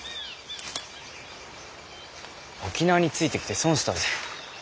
沖縄についてきて損したぜ。